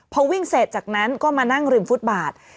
พอวิ่งเสร็จจากนั้นก็มานั่งริมฟุตบาท